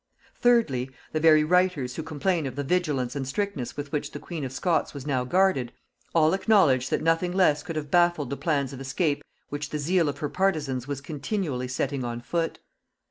Thirdly, the very writers who complain of the vigilance and strictness with which the queen of Scots was now guarded, all acknowledge that nothing less could have baffled the plans of escape which the zeal of her partisans was continually setting on foot.